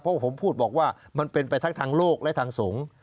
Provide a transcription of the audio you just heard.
เพราะเวลาผมบอกว่ามันเป็นไปทั้งโรคและทางสงฆ์